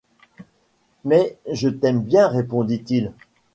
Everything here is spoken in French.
Mais je t’aime bien, répondit-il.